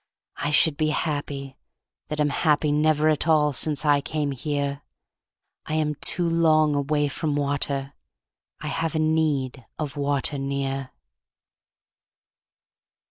I should be happy, that am happy Never at all since I came here. I am too long away from water. I have a need of water near.